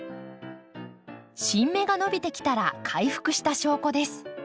新芽が伸びてきたら回復した証拠です。